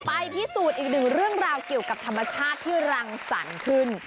ไปพิสูจน์อีกหนึ่งเรื่องราวเกี่ยวกับธรรมชาติที่รังสรรค์ขึ้น